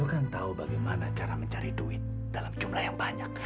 kan tahu bagaimana cara mencari duit dalam jumlah yang banyak